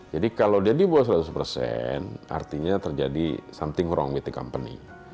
jadi kalau dia dibuat seratus persen artinya terjadi something wrong with the company